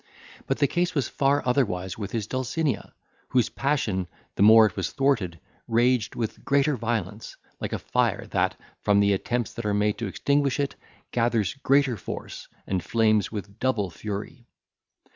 But the case was far otherwise with his Dulcinea, whose passion, the more it was thwarted, raged with greater violence, like a fire, that, from the attempts that are made to extinguish it, gathers greater force, and flames with double fury.